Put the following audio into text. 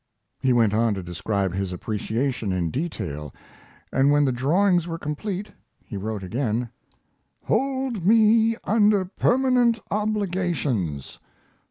He went on to describe his appreciation in detail, and when the drawings were complete he wrote again: Hold me under permanent obligations.